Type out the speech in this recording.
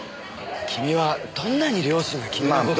君はどんなに両親が君の事。